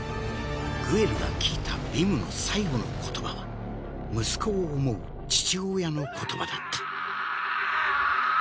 グエルが聞いたヴィムの最期の言葉は息子を思う父親の言葉だったうわ‼